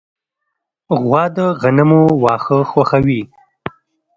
غوا د غنمو واښه خوښوي.